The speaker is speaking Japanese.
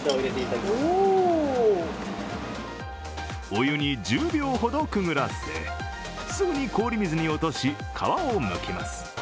お湯に１０秒ほどくぐらせ、すぐに氷水に落とし、皮をむきます。